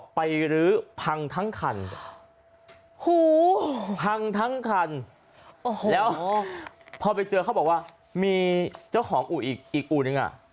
ประกอบไปลื้อพังทั้งคันพังทั้งคันแล้วพอไปเจอเขาบอกว่ามีเจ้าของอู๋อีกอู๋นึงอ่ะ